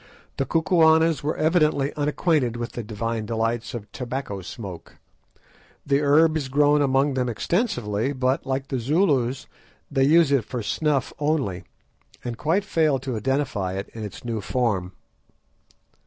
The Kukuanas were evidently unacquainted with the divine delights of tobacco smoke. The herb is grown among them extensively; but, like the Zulus, they use it for snuff only, and quite failed to identify it in its new form.